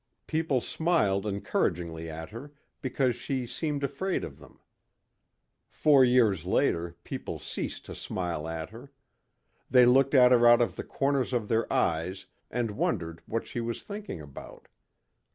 People smiled encouragingly at her because she seemed afraid of them. Four years later people ceased to smile at her. They looked at her out of the corners of their eyes and wondered what she was thinking about.